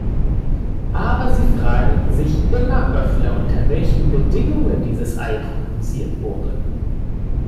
Aber sie fragen sich immer öfter, unter welchen Bedingungen dieses Ei produziert wurde.